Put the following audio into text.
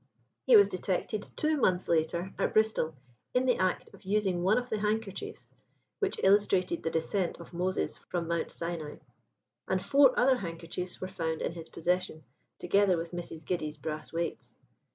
He was detected two months later at Bristol, in the act of using one of the handkerchiefs, which illustrated the descent of Moses from Mount Sinai; and four other handkerchiefs were found in his possession, together with Mrs. Giddy's brass weights.